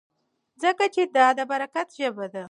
ځکه چې دا د برکت ژبه ده.